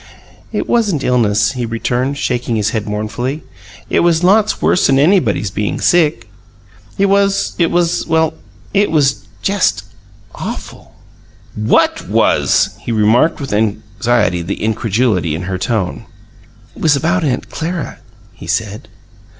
"It wasn't illness," he returned, shaking his head mournfully. "It was lots worse'n anybody's being sick. It was it was well, it was jest awful." "WHAT was?" He remarked with anxiety the incredulity in her tone. "It was about Aunt Clara," he said.